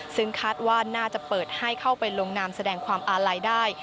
ซึ่งคาดว่าน่าจะเปิดให้เข้าไปลงนามแสดงความอาลัยได้